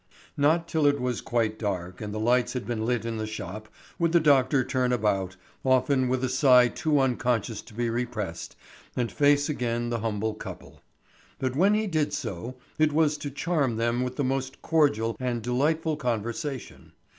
Not till it was quite dark and the lights had been lit in the shop, would the doctor turn about—often with a sigh too unconscious to be repressed—and face again the humble couple. But when he did so, it was to charm them with the most cordial and delightful conversation.